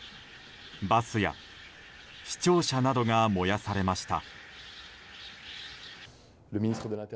バスや市庁舎などが燃やされました。